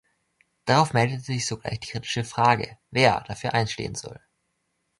Darauf meldet sich sogleich die kritische Frage, „Wer“ dafür einstehen soll.